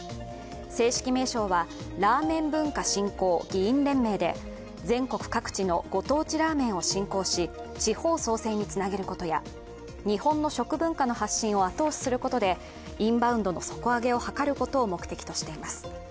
正式名称はラーメン文化振興議員連盟で全国各地のご当地ラーメンを振興し地方創生につながることや日本の食文化の発信を後押しすることでインバウンドの底上げを図ることを目的としています。